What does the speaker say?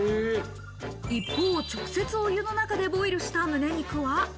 一方、直接お湯の中でボイルした胸肉は。